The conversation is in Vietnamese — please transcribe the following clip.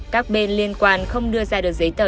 các bên liên quan không đưa ra được giấy tờ